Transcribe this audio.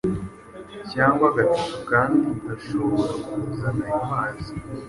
cyangwa gatatu kandi ashobora kuzana ayo mazi